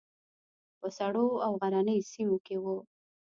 په سړو او غرنیو سیمو کې وو.